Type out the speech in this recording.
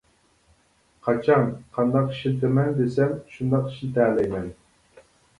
قاچان، قانداق ئىشلىتىمەن دېسەم شۇنداق ئىشلىتەلەيمەن.